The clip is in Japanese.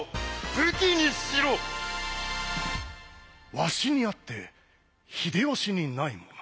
わしにあって秀吉にないもの？